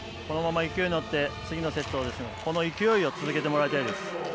このまま勢いにいって次のセット、この勢いを続けてもらいたいです。